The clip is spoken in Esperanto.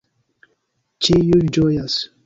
Ĉiuj ĝojas.